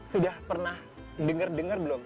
sudah pernah dengar dengar belum